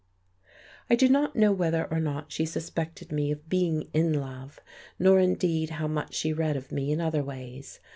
I do not know whether or not she suspected me of being in love, nor indeed how much she read of me in other ways.